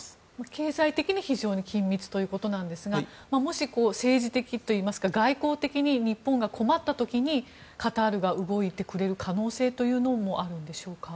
経済的に非常に緊密ということですがもし政治的といいますか外交的に日本が困った時にカタールが動いてくれる可能性というのもあるんでしょうか。